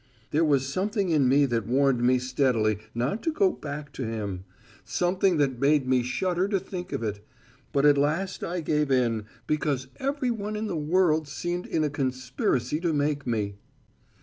There was something in me that warned me steadily not to go back to him. Something that made me shudder to think of it. But at last I gave in, because everyone in the world seemed in a conspiracy to make me."